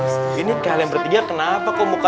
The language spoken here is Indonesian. senangnya pak ustaz